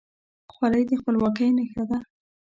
خولۍ د خپلواکۍ نښه ده.